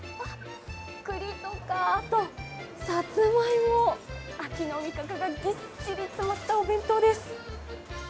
栗とか、さつまいも、秋の味覚がぎっしり詰まったお弁当です。